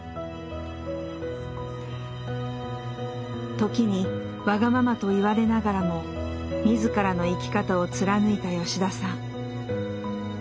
時にわがままと言われながらも自らの生き方を貫いた吉田さん。